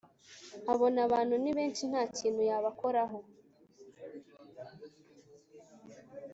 abona abantu nibenshi ntakintu yabakoraho